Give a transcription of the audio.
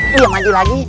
dia maju lagi